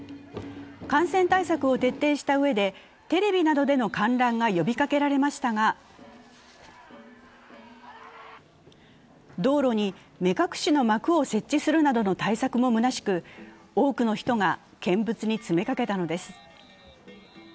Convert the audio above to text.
感染対策を徹底したうえでテレビなどでの観覧が呼びかけられましたが道路に目隠しの幕を設置するなどの対策もむなしく多くの人が見物に詰めかけたのです。